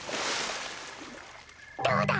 どうだ！